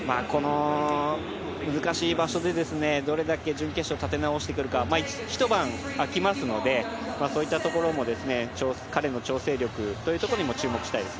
この難しい場所でどれだけ準決勝で立て直してくるか、一晩あきますのでそういったところも彼の調整力というところにも注目したいです。